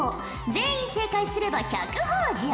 全員正解すれば１００ほぉじゃ。